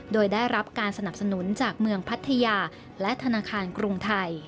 โดยได้รับการสนับสนุนจากเมืองพัทยาและธนาคารกรุงไทย